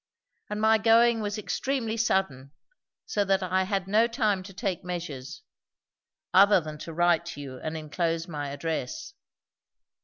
And my going was extremely sudden, so that I had no time to take measures; other than to write to you and enclose my address."